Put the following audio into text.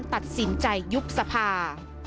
ตัดสินใจยุบสภา